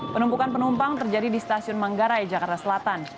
penumpukan penumpang terjadi di stasiun manggarai jakarta selatan